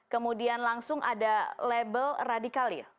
kemudian langsung ada label radikal ya